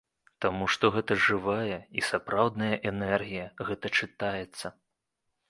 Таму што гэта жывая і сапраўдная энергія, гэта чытаецца.